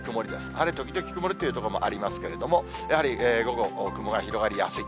晴れ時々曇りっていう所もありますけれども、やはり午後、雲が広がりやすい。